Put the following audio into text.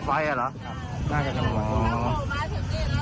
ไม่เร็วเลย